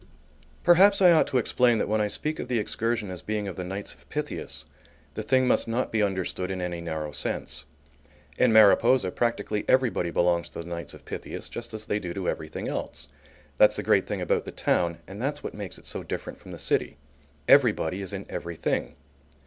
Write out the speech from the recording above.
Perhaps I ought to explain that when I speak of the excursion as being of the Knights of Pythias, the thing must not be understood in any narrow sense. In Mariposa practically everybody belongs to the Knights of Pythias just as they do to everything else. That's the great thing about the town and that's what makes it so different from the city. Everybody is in everything.